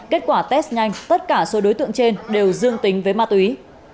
kết quả test nhanh tất cả số đối tượng trên đều dương tính với ma túy